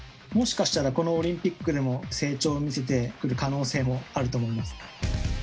もしかしたら、このオリンピックでも、成長を見せてくる可能性もあると思います。